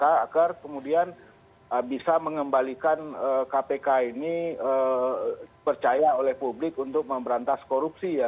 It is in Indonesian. agar kemudian bisa mengembalikan kpk ini percaya oleh publik untuk memberantas korupsi ya